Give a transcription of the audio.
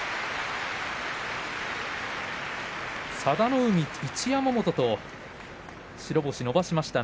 佐田の海、一山本と白星を伸ばしました。